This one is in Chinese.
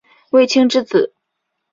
卫青之子。